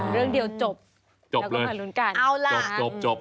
เรื่องดีแล้วจบ